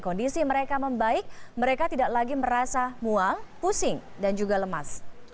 kondisi mereka membaik mereka tidak lagi merasa mual pusing dan juga lemas